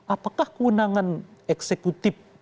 apakah kewenangan eksekutif